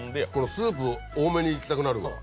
スープ多めにいきたくなるわ。